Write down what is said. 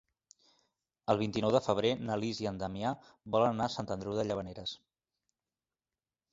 El vint-i-nou de febrer na Lis i en Damià volen anar a Sant Andreu de Llavaneres.